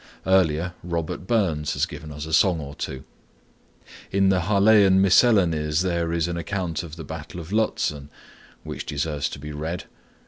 Earlier, Robert Burns has given us a song or two. In the Harleian Miscellanies there is an account of the battle of Lutzen which deserves to be read.